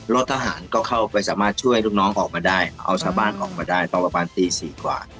ทหารก็เข้าไปสามารถช่วยลูกน้องออกมาได้เอาชาวบ้านออกมาได้ตอนประมาณตีสี่กว่า